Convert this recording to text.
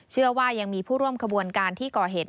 เชื่อว่ายังมีผู้ร่วมขบวนการที่ก่อเหตุ